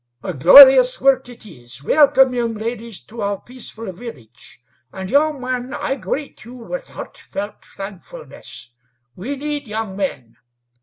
"A glorious work it is! Welcome, young ladies, to our peaceful village. And, young man, I greet you with heartfelt thankfulness. We need young men.